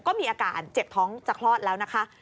ก็มีอาการเจ็บท้องจะคลอดแล้วนะคะ